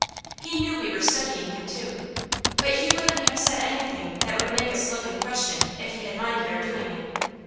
He knew we were studying him too, but he wouldn't have said anything that would make us look and question if he had minded our doing it.